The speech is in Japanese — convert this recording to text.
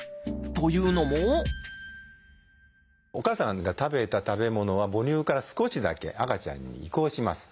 というのもお母さんが食べた食べ物は母乳から少しだけ赤ちゃんに移行します。